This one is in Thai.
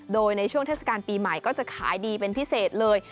โดยในช่วงเทศกาลปีใหม่ก็จะขายดีเป็นพิเศษเลย